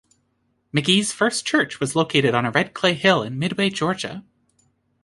McGee's first church was located on a red clay hill in Midway, Georgia.